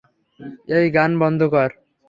এই, গান বন্ধ কর!